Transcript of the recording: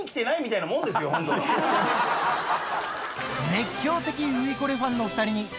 熱狂的『ウイコレ』ファンの２人にあっ！